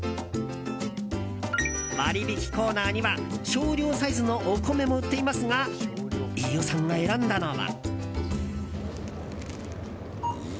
割引コーナーには少量サイズのお米も売っていますが飯尾さんが選んだのは。